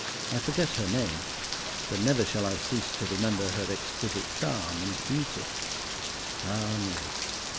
I forget her name but never shall I cease to remember her exquisite charm and beauty. Ah, me!